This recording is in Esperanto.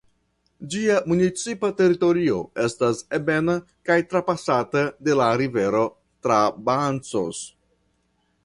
Ĝia municipa teritorio estas ebena kaj trapasata de la rivero Trabancos.